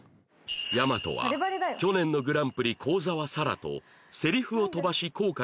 大和は去年のグランプリ幸澤沙良とセリフを飛ばしに挑んだうち